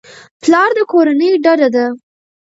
پلار د کورنۍ ډډه ده.